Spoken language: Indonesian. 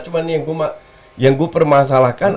cuma yang saya permasalahkan